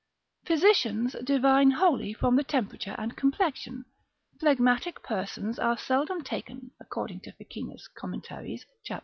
Physicians divine wholly from the temperature and complexion; phlegmatic persons are seldom taken, according to Ficinus Comment, cap.